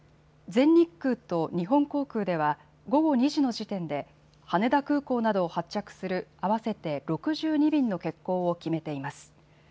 全日空と日本航空では午後２時の時点で羽田空港などを発着する合わせて６２便の欠航を決めています。